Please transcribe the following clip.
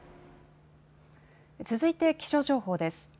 続いて気象情報です。